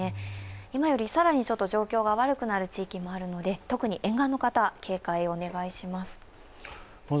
今よりさらに状況が悪くなる地域があるので特に沿岸の方、警戒をお願いします